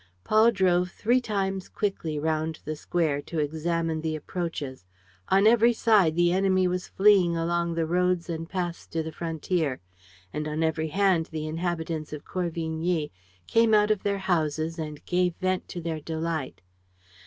Paul drove three times quickly round the square, to examine the approaches. On every side the enemy was fleeing along the roads and paths to the frontier. And on every hand the inhabitants of Corvigny came out of their houses and gave vent to their delight.